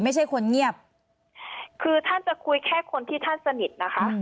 ไม่ใช่คนเงียบคือท่านจะคุยแค่คนที่ท่านสนิทนะคะ